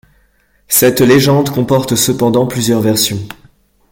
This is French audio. Cette légende comporte cependant plusieurs versions.